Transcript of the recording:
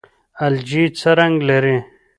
الجی څه رنګ لري؟